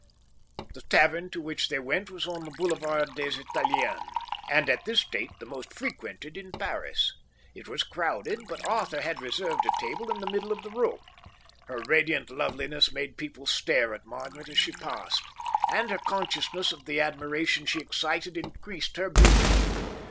The tavern to which they went was on the Boulevard des Italiens, and at this date the most frequented in Paris. It was crowded, but Arthur had reserved a table in the middle of the room. Her radiant loveliness made people stare at Margaret as she passed, and her consciousness of the admiration she excited increased her beauty.